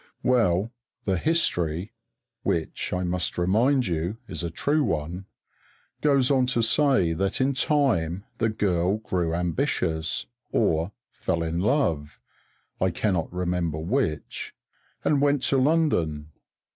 Well, the history which, I must remind you, is a true one goes on to say that in time the girl grew ambitious, or fell in love (I cannot remember which), and went to London.